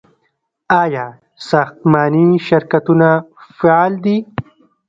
آیا ساختماني شرکتونه فعال دي؟